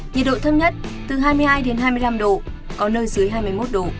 nhiệt độ thấp nhất từ hai mươi hai đến hai mươi năm độ có nơi dưới hai mươi một độ